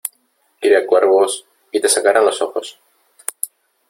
Cría cuervos y te sacaran los ojos.